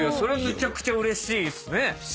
めちゃくちゃうれしいっすね。